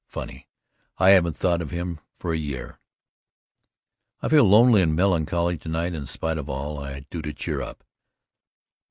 Funny, I haven't thought of him for a year. I feel lonely and melancholy to night in spite of all I do to cheer up.